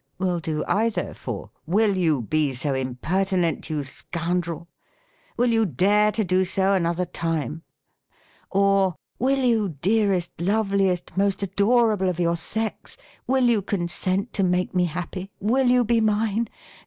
will do either for "Will you be so !' impertinent, } ou scoundrel? will vou dare to do so SYNTAX. 99 another time ?" or, " Will you, dearest, loveliest, most adorable of your sex, will you consent to make me happy ; will you be mine